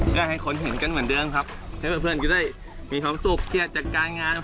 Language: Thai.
การให้คนเห็นเกิดเหมือนเดิมใช้เพื่อนก็ได้มีความสุขเทียดจากการงาน